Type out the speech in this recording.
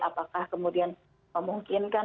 apakah kemudian memungkinkan